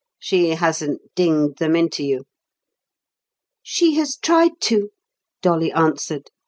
"She hasn't dinged them into you!" "She has tried to," Dolly answered.